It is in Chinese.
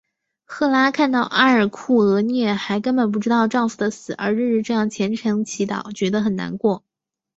赫拉看到阿尔库俄涅还根本不知道丈夫的死而日日这样虔诚祈祷觉得很难过。